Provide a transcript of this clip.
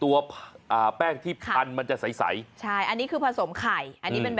ตัวแป้งที่ผันมันจะใสใช่อันนี้คือผสมไข่